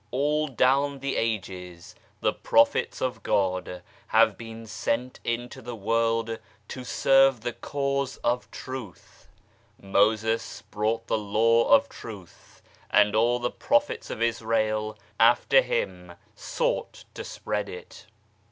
All down the ages the prophets of God have been sent into the world to serve the cause of Truth Moses brought the Law of Truth, and all the prophets of Israel after him sought to spread it.